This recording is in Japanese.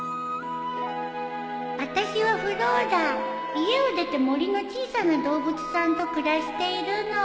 あたしはフローラ家を出て森の小さな動物さんと暮らしているの